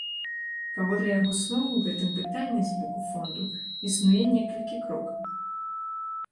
Паводле яго слоў, у гэтым пытанні з боку фонду існуе некалькі крокаў.